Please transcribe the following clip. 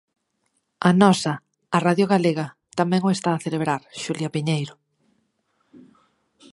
A nosa, a Radio Galega, tamén o está a celebrar, Xulia Piñeiro.